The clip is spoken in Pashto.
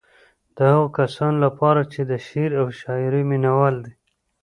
د هغو کسانو لپاره چې د شعر او شاعرۍ مينوال دي.